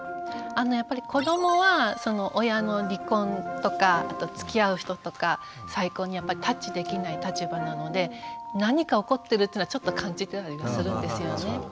やっぱり子どもは親の離婚とかあとつきあう人とか再婚にやっぱりタッチできない立場なので何か起こってるっていうのはちょっと感じていたりはするんですよね。